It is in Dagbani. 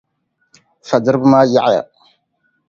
Fa'diriba maa yaɣiya.